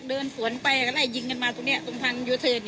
เดินสวนไปก็ได้จะยิงกันมาตรงนี้กับทางยูเทค